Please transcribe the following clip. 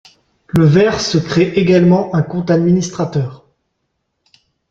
Le ver se crée également un compte administrateur.